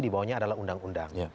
dibawanya adalah undang undang